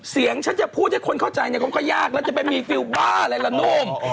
เสียงฉันจะพูดให้คนเข้าใจก็ยากแล้วจะเป็นมีฟิวบ้าอะไรล่ะนุ่ม